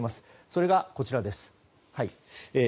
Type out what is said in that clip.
それがこちらです。